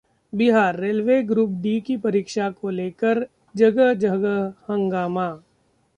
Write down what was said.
Bihar: railway group D की परीक्षा को लेकर जगह-जगह हंगामा